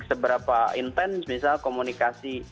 seberapa intense misalnya komunikasi